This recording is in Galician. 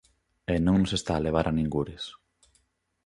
E non nos está a levar a ningures.